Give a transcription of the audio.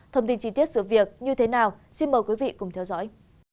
thông tin chi tiết sự việc như thế nào xin mời quý vị cùng theo dõi